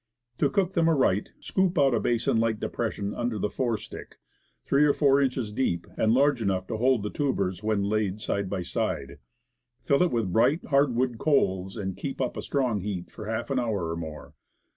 To cook them aright, scoop out a basin like depression under the fore stick, three or four inches deep, and large enough to hold the tubers when laid side by side; fill it with bright, hard wood coals, and keep up a strong heat for half an hour or more.